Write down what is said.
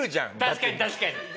確かに確かに。